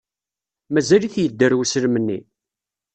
Mazal-it yedder weslem-nni?